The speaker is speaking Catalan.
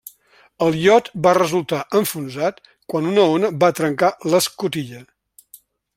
El iot va resultar enfonsat quan una ona va trencar l'escotilla.